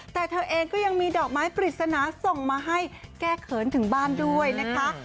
แต่เธอเองก็ยังมีดอกไม้ปริศนาส่งมาให้แก้เขินถึงบ้านด้วยนะคะ